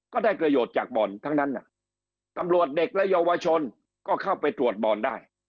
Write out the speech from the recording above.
ก็ได้ประโยชน์จากบอลทั้งนั้นตำรวจเด็กและเยาวชนก็เข้าไปตรวจบอลได้